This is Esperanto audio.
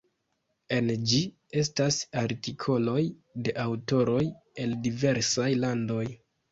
En ĝi estas artikoloj de aŭtoroj el diversaj landoj.